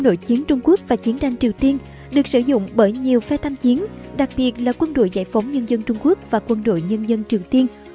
nội chiến trung quốc và chiến tranh triều tiên được sử dụng bởi nhiều phe tham chiến đặc biệt là quân đội giải phóng nhân dân trung quốc và quân đội nhân dân triều tiên